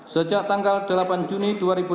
sejak tanggal delapan juni dua ribu enam belas